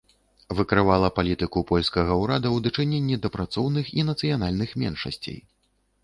Выкрывала палітыку польскага ўрада ў дачыненні да працоўных і нацыянальных меншасцей.